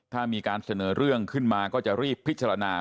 ถ้ามีการเสนอเรื่องขึ้นมาก็จะรีบพิจารณา